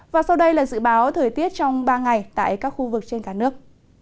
và sau đây là dự báo thời tiết trong ba ngày tại các khu vực trên cả nước